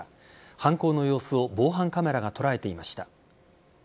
犯行の様子を防犯カメラが捉えていました。